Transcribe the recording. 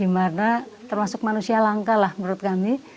karena termasuk manusia langka lah menurut kami